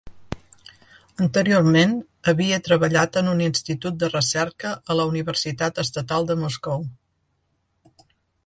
Anteriorment havia treballat en un institut de recerca a la Universitat Estatal de Moscou.